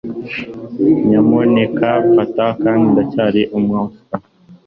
nyamuneka fata .. kandi ndacyari umuswa